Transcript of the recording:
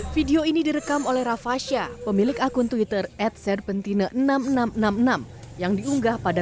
video ini direkam oleh rafasya pemilik akun twitter at serpentine enam ribu enam ratus enam puluh enam yang diunggah pada